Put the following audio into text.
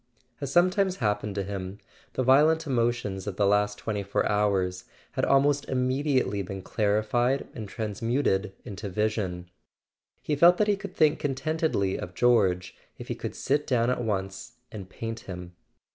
As sometimes happened to him, the violent emotions of the last twenty four hours had almost immediately [ 385 ] A SON AT THE FRONT been clarified and transmuted into vision. He felt that he could think contentedly of George if he could sit down at once and paint him.